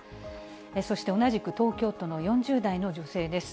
そして、同じく東京都の４０代の女性です。